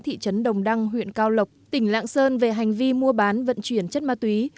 thị trấn đồng đăng huyện cao lộc tỉnh lạng sơn về hành vi mua bán vận chuyển chất ma túy